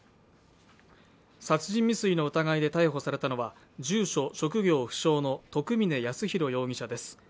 殺人未遂の疑いで逮捕されたのは住所・職業不詳の徳峰安浩容疑者です。